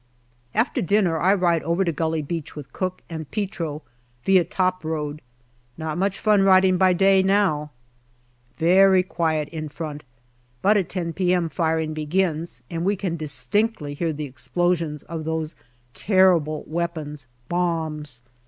184 GALLIPOLI DIARY After dinner I ride over to Gully Beach with Cooke and Petro, via top road. Not much fun riding by day now. Very quiet in front, but at 10 p.m. firing begins, and we can distinctly hear the explosions of those terrible weapons bombs.